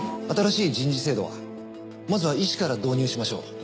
新しい人事制度はまずは医師から導入しましょう。